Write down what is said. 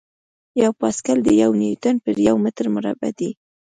یو پاسکل د یو نیوټن پر یو متر مربع دی.